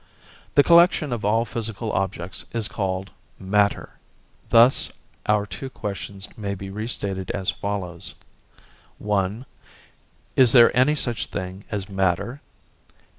The collection of all physical objects is called 'matter'. Thus our two questions may be re stated as follows: (1) Is there any such thing as matter?